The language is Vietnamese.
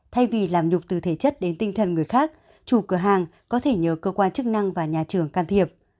thay vì làm nhục từ thể chất đến tinh thần người khác chủ cửa hàng có thể nhờ cơ quan chức năng và nhà trường can thiệp